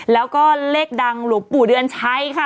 แล้วก็เลขดังหลวงปู่เดือนชัยค่ะ